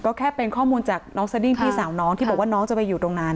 ก็แค่เป็นข้อมูลจากน้องสดิ้งพี่สาวน้องที่บอกว่าน้องจะไปอยู่ตรงนั้น